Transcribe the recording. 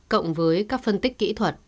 cộng với các phân tích kỹ thuật